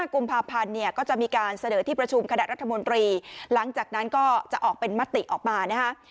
กุมภาพันธ์เนี่ยก็จะมีการเสนอที่ประชุมคณะรัฐมนตรีหลังจากนั้นก็จะออกเป็นมติออกมานะฮะ